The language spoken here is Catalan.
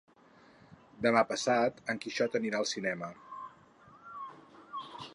Demà passat en Quixot anirà al cinema.